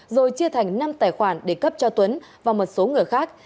rồi chia thành năm tài khoản để cấp cho tuấn và một số người khác